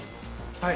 はい。